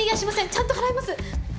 ちゃんと払います。